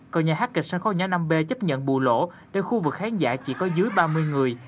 còn nhà hát kịch sân khấu nhà năm b chấp nhận bù lỗ để khu vực khán giả chỉ có dưới ba mươi người